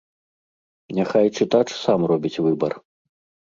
Няхай чытач сам робіць выбар.